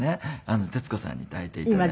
徹子さんに抱いて頂いて。